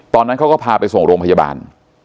ตอนนั้นเขาก็พาไปส่งโรงพยาบาล